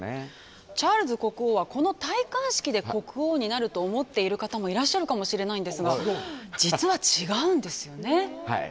チャールズ国王はこの戴冠式で国王になると思っている方もいらっしゃるかもしれないんですが実は違うんですよね。